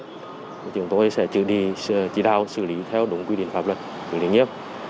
thì chúng tôi sẽ chủ đề chỉ đạo xử lý theo đúng quy định pháp luật của lĩnh nghiệp